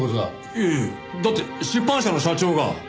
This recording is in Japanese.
いやいやだって出版社の社長が。